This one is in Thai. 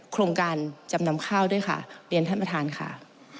โครงการจำนำข้าวด้วยค่ะเรียนท่านประธานค่ะ